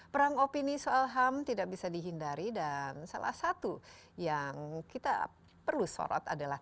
perang opini soal ham tidak bisa dihindari dan salah satu yang kita perlu sorot adalah